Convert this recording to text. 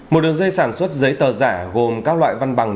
một đường dây sản xuất giấy tờ giả gồm các loại văn bằng